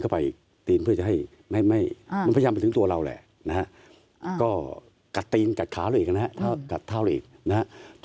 มาสู้ครั้งสามตัวเลยนะครับแล้วก็โดดนับ